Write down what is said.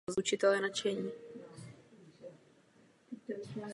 Před podvody nejsou bezpečné ani prodejní automaty.